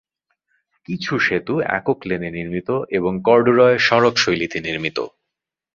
কিছু সেতু একক লেনে নির্মিত এবং কর্ডুরোয় সড়ক শৈলীতে নির্মিত।